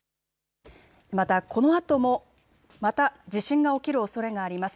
またこのあともまた地震が起きるおそれがあります。